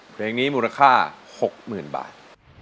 เพลงนี้มูลค่า๖๐๐๐บาท